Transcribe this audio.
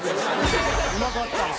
うまかった。